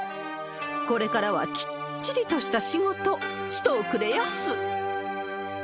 これからはきっちりとした仕事、しておくれやす。